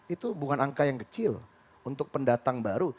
itu bukan angka yang kecil untuk pendatang baru